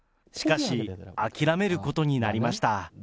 しかし、諦めることになりました。